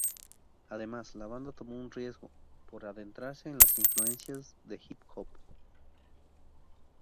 Además, la banda tomó un riesgo por adentrarse en las influencias de hip hop.